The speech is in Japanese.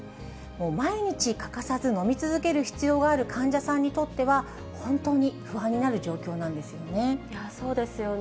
毎日欠かさず飲み続ける必要がある患者さんにとっては、本当に不安になる状況なんですよね。